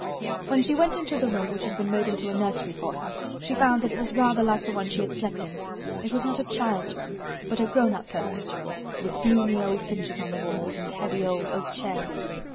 When she went into the room which had been made into a nursery for her, she found that it was rather like the one she had slept in. It was not a child's room, but a grown up person's room, with gloomy old pictures on the walls and heavy old oak chairs.